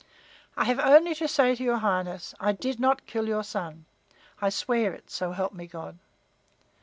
"I have only to say to your Highness, I did not kill your son. I swear it, so help me God!"